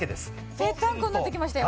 ぺったんこになってきましたよ。